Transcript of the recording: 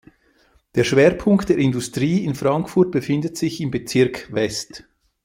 Der Schwerpunkt der Industrie in Frankfurt befindet sich im Bezirk West.